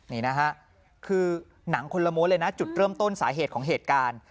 นี่นะฮะคือหนังคนละม้วนเลยนะจุดเริ่มต้นสาเหตุของเหตุการณ์